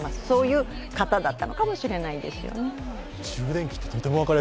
そういう方だったのかもしれないですよね。